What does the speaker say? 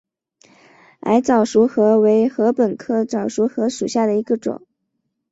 矮早熟禾为禾本科早熟禾属下的一个种。